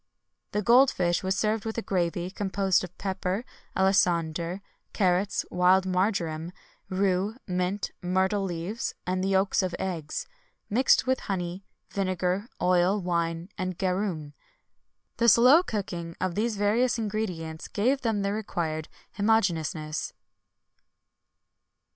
[XXI 150] The gold fish was served with a gravy composed of pepper, alisander, carrots, wild marjoram, rue, mint, myrtle leaves, and yolk of eggs; mixed with honey, vinegar, oil, wine, and garum.[XXI 151] The slow cooking of these various ingredients gave them the required homogeneousness.